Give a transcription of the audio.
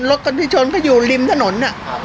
คนที่ชนก็อยู่ริมถนน